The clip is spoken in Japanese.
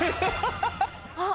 あっ！